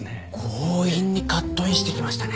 強引にカットインしてきましたね。